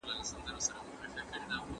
دوی به د خټو او ډبرو څخه کورونه جوړول.